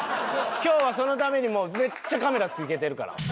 今日はそのためにめっちゃカメラ付けてるから。